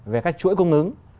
về các chuỗi cung ứng